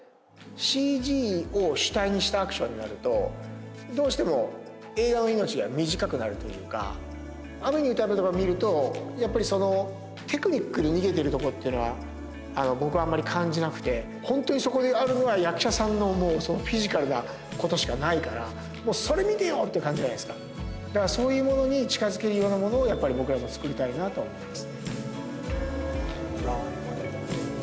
ＣＧを主体にしたアクションになるとどうしても映画の命が短くなるというか「雨に唄えば」とかを見るとやっぱりそのテクニックに逃げてるとこっていうのは僕はあんまり感じなくてホントにそこにあるのが役者さんのフィジカルなことしかないからそれ見てよっていう感じじゃないですかだからそういうものに近づけるようなものをやっぱり僕らも作りたいなとは思います